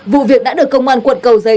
vụ việc đã được công an quận cầu giấy